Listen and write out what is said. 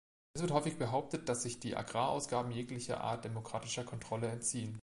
Es wird häufig behauptet, dass sich die Agrarausgaben jeglicher Art demokratischer Kontrolle entziehen.